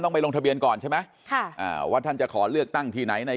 ไปลงทะเบียนก่อนใช่ไหมค่ะอ่าว่าท่านจะขอเลือกตั้งที่ไหนใน